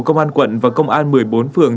công an quận và công an một mươi bốn phường